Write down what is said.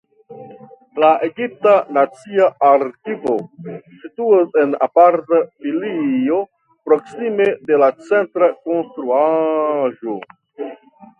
La Egipta Nacia Arkivo situas en aparta filio proksime de la centra konstruaĵo.